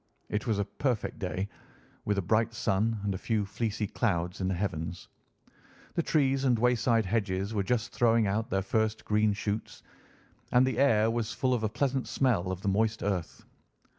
It was a perfect day, with a bright sun and a few fleecy clouds in the heavens. The trees and wayside hedges were just throwing out their first green shoots, and the air was full of the pleasant smell of the moist earth.